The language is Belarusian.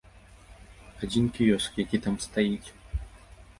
Адзін кіёск, які там стаіць.